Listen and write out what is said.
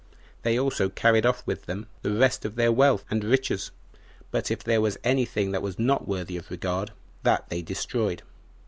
They also carried off with them the rest of their wealth and riches; but if there were any thing that was not worthy of regard, that they destroyed.